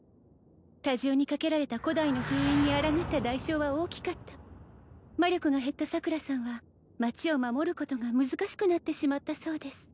多重にかけられた古代の封印にあらがった代償は大きかった魔力が減った桜さんは町を守ることが難しくなってしまったそうです